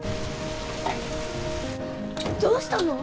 どうしたの？